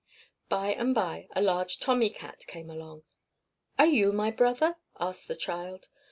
By and by a large Tommy Cat came along. "Are you my brother?" asked the child.